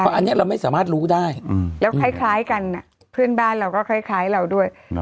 อันนี้เราไม่สามารถรู้ได้แล้วคล้ายกันเพื่อนบ้านเราก็คล้ายเราด้วย